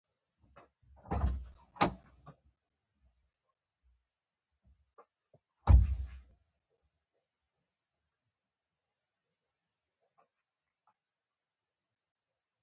له هېواده بهر شتمني پارک شوې پيسې نه دي.